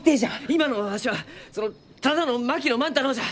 今のわしはそのただの槙野万太郎じゃ！